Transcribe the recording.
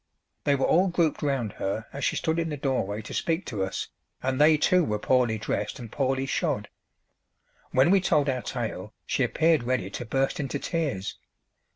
They were all grouped round her as she stood in the doorway to speak to us, and they too were poorly dressed and poorly shod. When we told our tale she appeared ready to burst into tears.